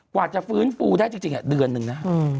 กว่าจะฟื้นฟูได้จริงเดือนหนึ่งนะ